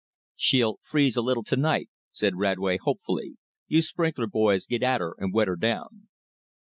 "She'll freeze a little to night," said Radway hopefully. "You sprinkler boys get at her and wet her down."